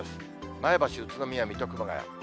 前橋、宇都宮、水戸、熊谷。